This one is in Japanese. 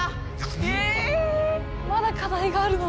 ええまだ課題があるの？